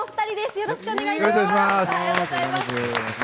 よろしくお願いします。